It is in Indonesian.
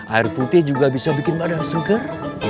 air putih juga bisa bikin badan segar